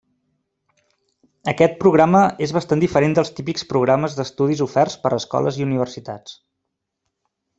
Aquest programa és bastant diferent dels típics programes d'estudis oferts per escoles i universitats.